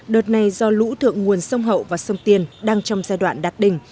đợt này do lũ thượng nguồn sông hậu và sông tiền đang trong giai đoạn đạt đỉnh